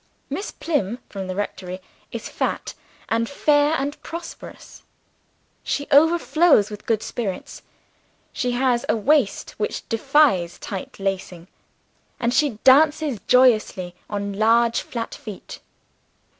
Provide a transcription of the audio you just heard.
Miss Plym (from the rectory) is fat and fair and prosperous: she overflows with good spirits; she has a waist which defies tight lacing, and she dances joyously on large flat feet.